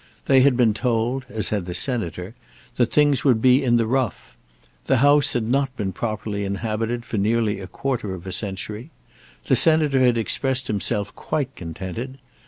They had been told, as had the Senator, that things would be in the rough. The house had not been properly inhabited for nearly a quarter of a century. The Senator had expressed himself quite contented.